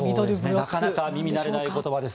なかなか耳慣れない言葉です。